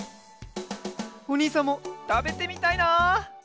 おにいさんもたべてみたいな！